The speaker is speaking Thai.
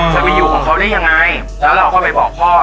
จะไปอยู่ของเขาได้ยังไงแล้วเราก็ไปบอกพ่อ